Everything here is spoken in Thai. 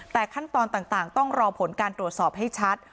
แต่ขั้นตอนต่างต้องรอผลการตรวจสอบให้ชัด